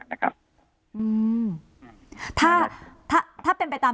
ถ้าไปตามที่นะครับ